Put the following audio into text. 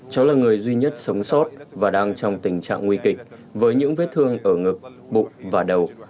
cháu là người duy nhất sống sót và đang trong tình trạng nguy kịch với những vết thương ở ngực bụng và đầu